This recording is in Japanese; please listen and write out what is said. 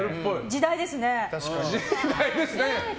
時代ですね。